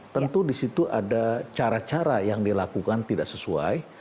tentu di situ ada cara cara yang dilakukan tidak sesuai